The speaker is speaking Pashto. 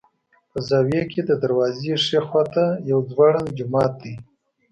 په زاویه کې د دروازې ښي خوا ته یو ځوړند جومات دی.